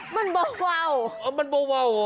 มันไม่วาว